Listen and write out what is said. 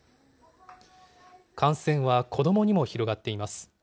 感染は子どもにも広がっています。